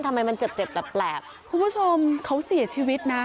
ทำไมมันเจ็บเจ็บแปลกคุณผู้ชมเขาเสียชีวิตนะ